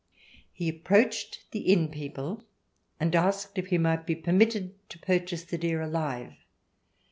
He approached the inn people, and asked if he might be permitted to purchase the deer alive.